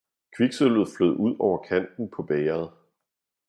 Kviksølvet flød ud over kanten på bægeret.